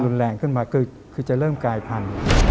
แรงขึ้นมาคือจะเริ่มกลายพันธุ์